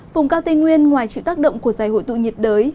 vùng cao tây nguyên ngoài chịu tác động của giải hội tụ nhiệt đới